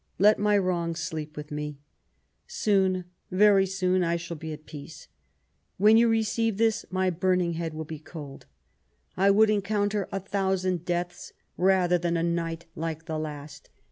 Let my wrongs sleep with me I Soon, very soon, I shall be at peace. When yon receive this my burning head will be cold. I wonld encounter a thousand deaths rather than a night like the last.